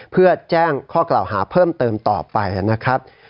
เพื่อแจ้งข้อกล่าวหาเพิ่มเติมต่อไปนะครับ